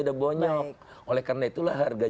sudah bonyok oleh karena itulah harga